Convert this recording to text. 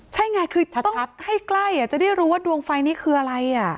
ใช่ไงคือต้องให้ใกล้จะได้รู้ว่าดวงไฟนี้คืออะไร